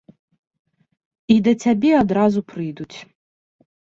І да цябе адразу прыйдуць.